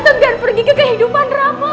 dateng dan pergi ke kehidupan rama